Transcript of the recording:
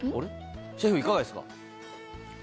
シェフいかがですか？